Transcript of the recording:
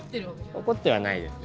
怒ってはないですね。